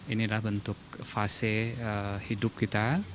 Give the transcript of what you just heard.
inilah bentuk fase hidup kita